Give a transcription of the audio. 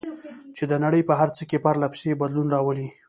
چې د نړۍ په هر څه کې پرله پسې بدلون راولي.